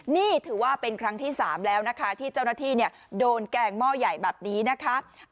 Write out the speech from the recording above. นี่ถือว่าเป็นครั้งที่๓แล้วนะคะที่เจ้าหน้าที่โดนแกงหม้อใหญ่แบบนี้นะคะ